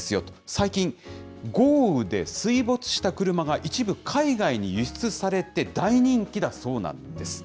最近、豪雨で水没した車が一部海外に輸出されて、大人気だそうなんです。